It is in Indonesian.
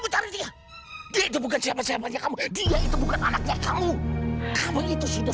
dia itu bukan siapa siapanya kamu dia itu bukan anaknya kamu kamu itu sudah